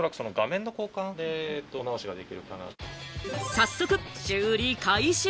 早速、修理開始。